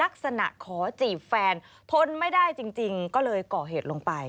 ขอจีบแฟนทนไม่ได้จริงก็เลยเกาะเหตุลงไป